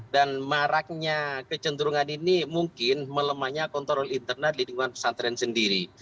dan maraknya kecenderungan ini mungkin melemahnya kontrol internal di lingkungan pesantren sendiri